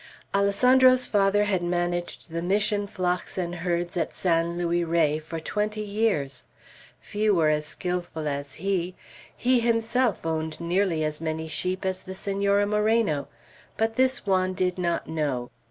Alessandro's father had managed the Mission flocks and herds at San Luis Rey for twenty years; few were as skilful as he; he himself owned nearly as many sheep as the Senora Moreno; but this Juan did not know.